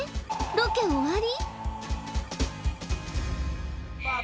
ロケ終わり？